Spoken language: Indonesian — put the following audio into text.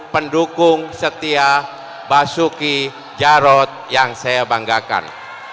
pendukung setia basuki jarod yang saya banggakan